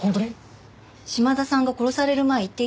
島田さんが殺される前言っていたんです。